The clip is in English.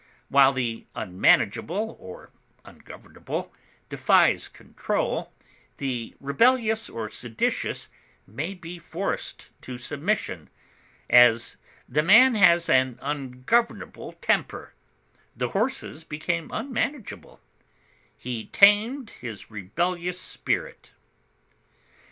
While the unmanageable or ungovernable defies control, the rebellious or seditious may be forced to submission; as, the man has an ungovernable temper; the horses became unmanageable; he tamed his rebellious spirit.